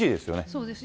そうです。